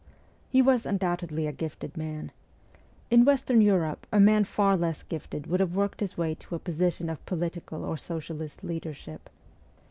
He was undoubtedly a gifted man. In Western Europe a man far less gifted would have worked his way to a position of political or socialist leadership.